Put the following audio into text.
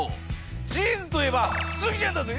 ジーンズといえばスギちゃんだぜぇ